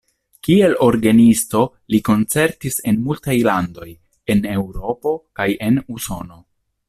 Kiel orgenisto li koncertis en multaj landoj en Eŭropo kaj en Usono.